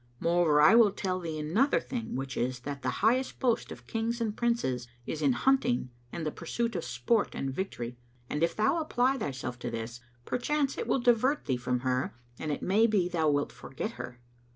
Moreover, I will tell thee another thing which is that the highest boast of Kings and Princes is in hunting and the pursuit of sport and victory; and if thou apply thyself to this, perchance it will divert thee from her, and it may be thou wilt forget her."